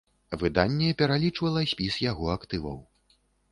Выданне пералічвала спіс яго актываў.